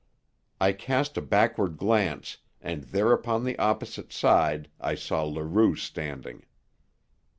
I cast a backward glance, and there upon the opposite side I saw Leroux standing.